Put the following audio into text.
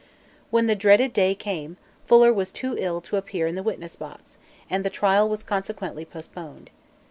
When the dreaded day came, Fuller was too ill to appear in the witness box, and the trial was consequently postponed.